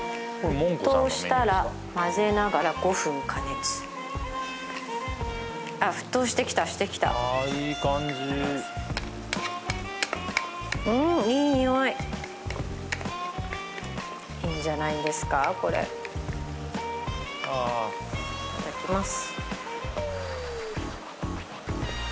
沸騰したら混ぜながら５分加熱あっ沸騰してきたしてきたああいい感じうんいい匂いいいんじゃないんですかこれいただきます